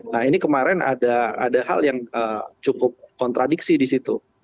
nah ini kemarin ada hal yang cukup kontradiksi disitu